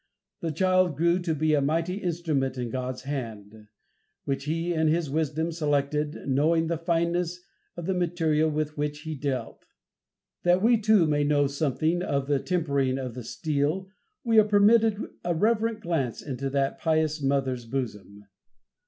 The child grew to be a mighty instrument in God's hand, which He in His wisdom selected, knowing the fineness of the material with which he dealt. That we too may know something of the tempering of the steel, we are permitted a reverent glance into that pious mother's bosom.